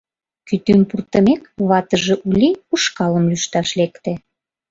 Кӱтӱм пуртымек, ватыже, Ули, ушкалым лӱшташ лекте.